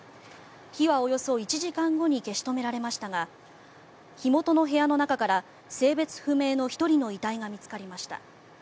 火はおよそ１時間後に消し止められましたが火元の部屋の中から性別不明の１人の遺体が見つかりました。